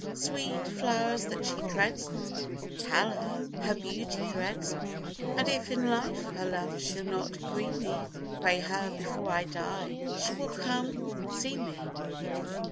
Sweet flowers, that she treads on, Tell her, her beauty dreads one; And if in life her love she'll not agree me, Pray her before I die, she will come see me.